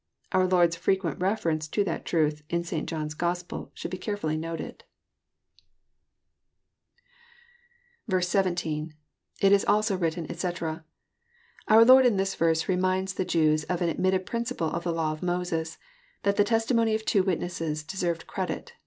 Our Lord's frequent reference to that truth, in St. John's Gospel, should be carefully noted. 84 EXPOSITOBY THOUGHTS. 17.~[i^ ia (il8o written^ etc."} Onr Lord, in this verse, reminds cue Jews of an admitted principle of ttie law of Moses, — that the testimony of two witnesses deserved credit.